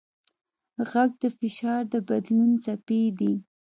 غږ د فشار د بدلون څپې دي.